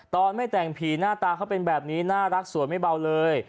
ตอนไม่แต่งผีหน้าตาเขาเป็นแบบนี้น่ารักสวยไม่เบาเลย